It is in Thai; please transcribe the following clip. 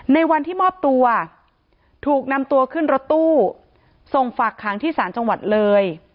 ในวันที่มอบตัวถูกนำตัวขึ้นรถตู้ส่งฝากขังที่ศาลจังหวัดเลย